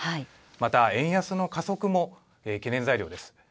また、円安の加速も懸念材料です。